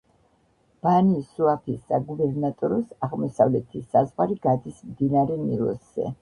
ბანი-სუაფის საგუბერნატოროს აღმოსავლეთის საზღვარი გადის მდინარე ნილოსზე.